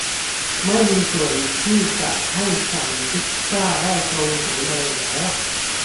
ไม่มีส่วนที่จะให้สั่งพิซซ่าได้ตรงไหนเลยเหรอ